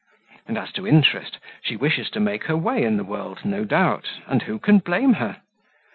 And as to interest, she wishes to make her way in the world, no doubt, and who can blame her?